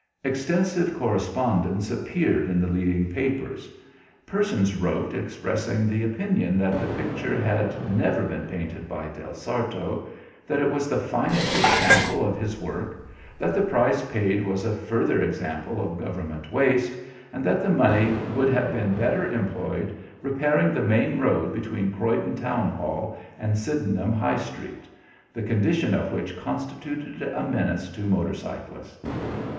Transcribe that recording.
Extensive correspondence appeared in the leading papers; persons wrote expressing the opinion that the picture had never been painted by Del Sarto, that it was the finest example of his work, that the price paid was a further example of government waste, and that the money would have been better employed repairing the main road between Croydon Town Hall and Sydenham High Street, the condition of which constituted a menace to motor cyclists.